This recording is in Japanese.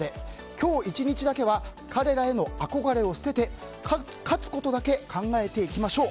今日１日だけは彼らへの憧れを捨てて勝つことだけ考えていきましょう。